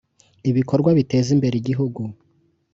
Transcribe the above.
ibikorwa biteza imbere igihugu